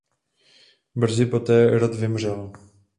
Brzy poté rod vymřel.